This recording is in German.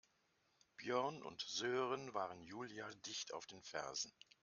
Björn und Sören waren Julia dicht auf den Fersen.